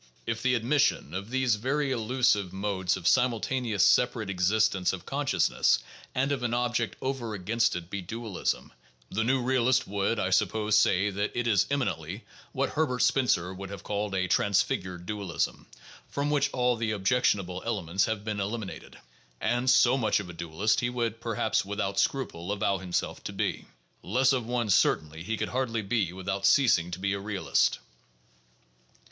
If the admission of these very elusive PSYCHOLOGY AND SCIENTIFIC METHODS 593 modes of simultaneous separate existence of consciousness and of an object over against it be dualism, the new realist would, I sup pose, say that it is eminently what Herbert Spencer would have called a "transfigured" dualism, from which all the objectionable elements have been eliminated. And so much of a dualist he would perhaps without scruple avow himself to be. Less of one, certainly, he could hardly be without ceasing to be a realist.